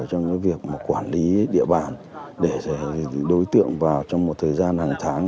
trong cái việc quản lý địa bản để đối tượng vào trong một thời gian hàng tháng